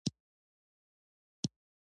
ځمکنی شکل د افغانستان د جغرافیوي تنوع مثال دی.